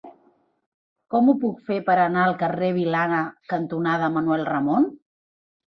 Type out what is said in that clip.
Com ho puc fer per anar al carrer Vilana cantonada Manuel Ramon?